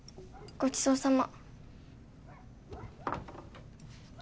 ごちそうさま。